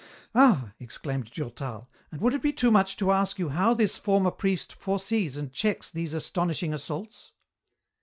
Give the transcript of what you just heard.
"Ah!" exclaimed Durtal, "and would it be too much to ask you how this former priest foresees and checks these astonishing assaults?"